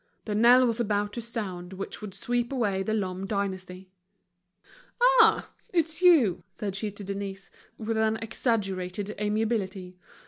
the knell was about to sound which would sweep away the Lhomme dynasty. "Ah! it's you," said she to Denise, with an exaggerated amiability.